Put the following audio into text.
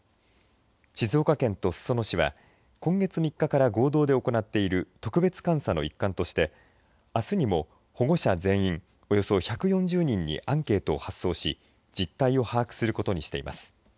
静岡県と裾野市は今月３日から合同で行っている特別監査の一環としてあすにも保護者全員およそ１４０人にアンケートを発送し実態を把握することにしています。